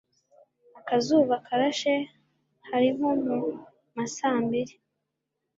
akazuba karashe hari nko mu ma saa mbiri